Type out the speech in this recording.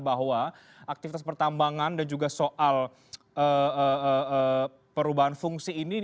bahwa aktivitas pertambangan dan juga soal perubahan fungsi ini